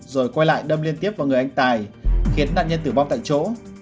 rồi quay lại đâm liên tiếp vào người anh tài khiến nạn nhân tử vong tại chỗ